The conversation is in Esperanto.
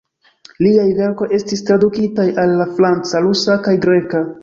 Liaj verkoj estis tradukitaj al la franca, rusa kaj greka.